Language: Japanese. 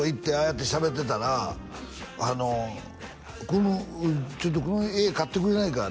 やってしゃべってたらちょっとこの絵買ってくれないか？